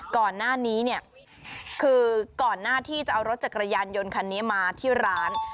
ก่อนหน้านี้เนี่ยคือก่อนหน้าที่จะเอารถจักรยานยนต์คันนี้มาที่ร้าน